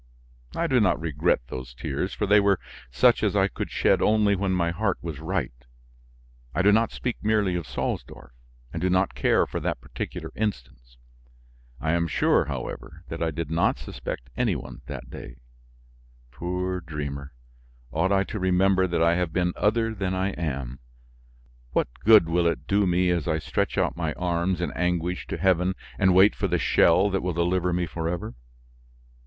I do not regret those tears for they were such as I could shed only when my heart was right; I do not speak merely of Salsdorf, and do not care for that particular instance. I am sure, however, that I did not suspect any one that day. Poor dreamer! Ought I to remember that I have been other than I am? What good will it do me as I stretch out my arms in anguish to heaven and wait for the shell that will deliver me forever.